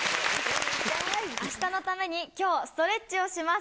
明日のために、きょうストレッチをします。